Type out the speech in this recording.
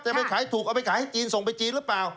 ไม่ขายถูกเอาไปขายให้จีนส่งไปจีนหรือเปล่า